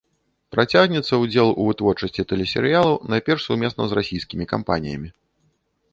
Працягнецца ўдзел у вытворчасці тэлесерыялаў, найперш сумесна з расійскімі кампаніямі.